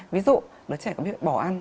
ví dụ đứa trẻ có việc bỏ ăn